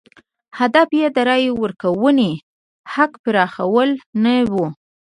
هدف یې د رایې ورکونې حق پراخوال نه و.